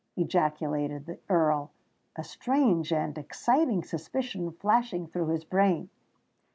ejaculated the Earl, a strange and exciting suspicion flashing through his brain.